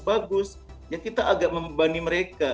bagus ya kita agak membebani mereka